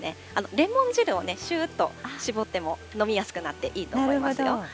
レモン汁をしゅーっと搾っても、飲みやすくなっていいと思いますよ。